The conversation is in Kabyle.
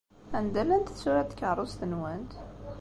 Anda llant tsura n tkeṛṛust-nwent?